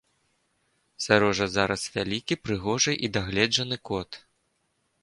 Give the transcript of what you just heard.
Сярожа зараз вялікі, прыгожы і дагледжаны кот.